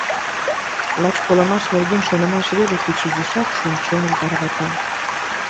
Лач колымаш нерген шонымаш веле кеч изишак шӱм-чоным тарвата.